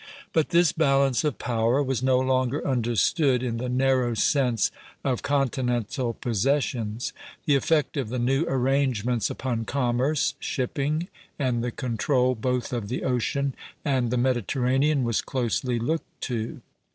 But this balance of power was no longer understood in the narrow sense of continental possessions; the effect of the new arrangements upon commerce, shipping, and the control both of the ocean and the Mediterranean, was closely looked to.